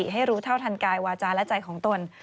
ให้รู้เท่าทันกายวาจาและใจของตน